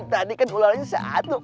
tadi kan ularnya satu